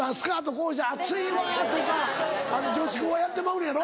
こうして暑いわとか女子校はやってまうのやろ？